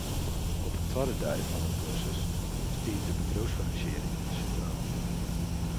Op 'e twadde dei fan 'e kursus stiet de bedriuwsfinansiering sintraal.